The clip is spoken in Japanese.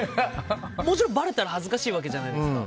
もちろんばれたら恥ずかしいわけじゃないですか。